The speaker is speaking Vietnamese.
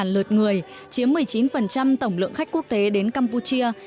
ba lượt người chiếm một mươi chín tổng lượng khách quốc tế đến campuchia